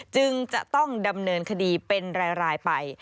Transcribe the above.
จึงจะต้องดำเนินคดีเป็นรายไป